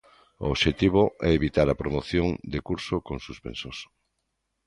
O obxectivo é evitar a promoción de curso con suspensos.